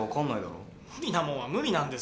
無理なもんは無理なんですよ。